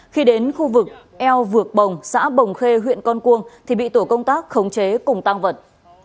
khi đến khu vực eo vạc bồng xã bồng khê huyện con cuông thì bị tổ công tác khống chế cùng tăng vật